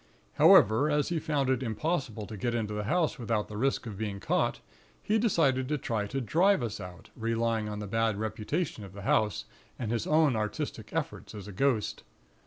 However, as he found it impossible to get into the house without the risk of being caught, he decided to try to drive us out, relying on the bad reputation of the house, and his own artistic efforts as a ghost.